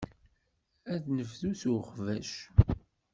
Ad nebdu s uxbac.